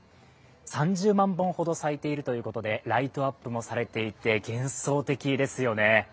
３０万本ほど咲いているということでライトアップもされていて幻想的ですよね。